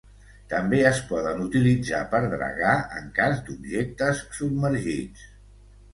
També es poden utilitzar per dragar en cas d'objectes submergits.